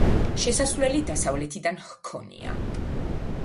შესასვლელი დასავლეთიდან ჰქონია.